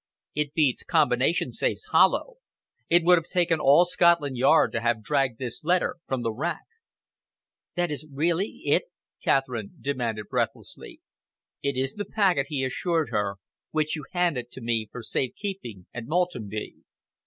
It beats combination safes hollow. It would have taken all Scotland Yard to have dragged this letter from the rack." "That is really it?" Catherine demanded breathlessly. "It is the packet," he assured her, "which you handed to me for safe keeping at Maltenby."